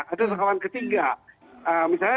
ada dakwaan ketiga